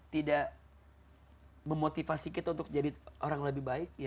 tidak memotivasi kita untuk jadi orang lebih baik